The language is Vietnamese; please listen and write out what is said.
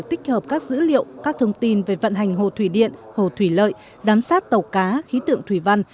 dự động các thông tin về vận hành hồ thủy điện hồ thủy lợi giám sát tàu cá khí tượng thủy văn